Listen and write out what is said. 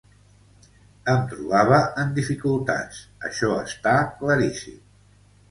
Em trobava en dificultats, això està claríssim.